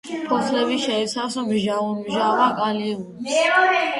ფოთლები შეიცავს მჟაუნმჟავა კალიუმს.